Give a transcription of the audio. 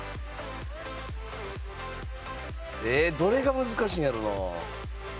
えっどれが難しいんやろな？